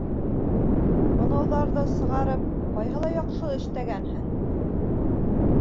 Мынауҙарҙы сығарып, ҡайһылай яҡшы эштәгәнһең...